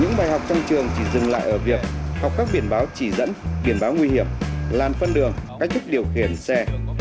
những bài học trong trường chỉ dừng lại ở việc học các biển báo chỉ dẫn biển báo nguy hiểm lan phân đường cách thức điều khiển xe